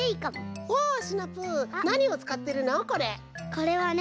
これはね